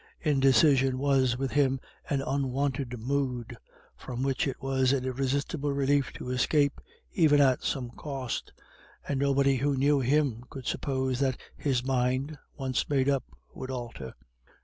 Indecision was with him an unwonted mood, from which it was an irresistible relief to escape, even at some cost. And nobody who knew him could suppose that his mind, once made up, would alter.